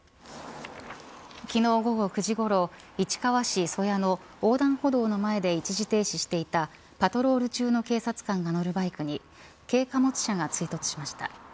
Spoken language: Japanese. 昨日、午後９時ごろ市川市曽谷の交差点横断歩道の前で一時停止していたパトロール中の警察官が乗るバイクに軽貨物車が追突しました。